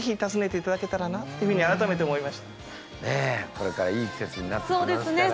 これからいい季節になってきますからね。